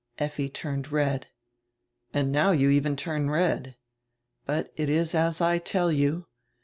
Effi turned red. "And now you even turn red. But it is as I tell you.